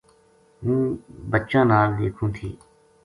ہوں بچاں نا دیکھوں تھی